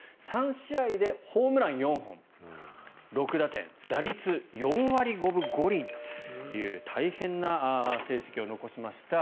３試合でホームラン４本、６打点打率４割５分５厘という大変な成績を残しました。